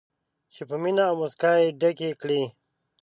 چې په مینه او موسکا یې ډکې کړي.